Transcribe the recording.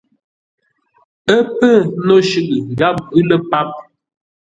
Ə́ pə́́ no shʉʼʉ gháp ghʉ lə́ páp.